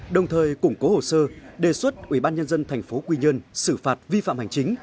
đồng thời củng cố hồ sơ đề xuất ubnd thành phố quy nhơn xử phạt vi phạm hành chính